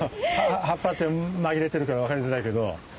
葉っぱあって紛れてるから分かりづらいけど。